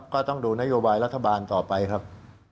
ก็ต้องดูนโยบายรัฐบาลต่อไปครับ